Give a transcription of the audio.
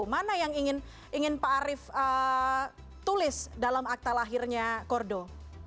mana yang ingin pak arief tulis dalam akta lahirnya kordo